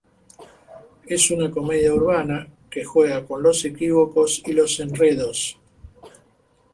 Es una comedia urbana que juega con los equívocos y los enredos.